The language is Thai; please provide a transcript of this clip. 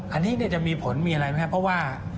อันนี้จะมีผลมีอะไรไหมครับเพราะว่า